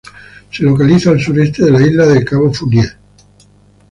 Se localiza al sureste de la isla en Cabo Fournier.